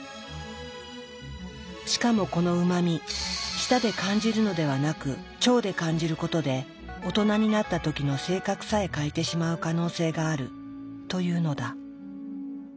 しかもこのうま味舌で感じるのではなく腸で感じることで大人になった時の性格さえ変えてしまう可能性があるというのだ。